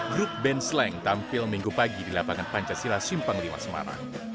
grup band sleng tampil minggu pagi di lapangan pancasila simpang lima semarang